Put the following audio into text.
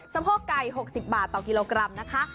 โพกไก่๖๐บาทต่อกิโลกรัมนะคะ